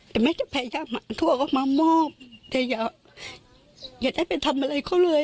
แต่ไม่จะพยายามอาดทั่วเขามามอบแต่อยากได้ไปทำอะไรเขาเลยอ่ะ